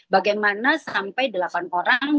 bagaimana sampai delapan orang